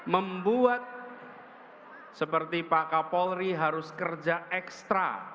membuat seperti pak kapolri harus kerja ekstra